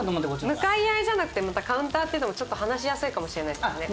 向かい合いじゃなくてまたカウンターっていうのもちょっと話しやすいかもしれないですもんね。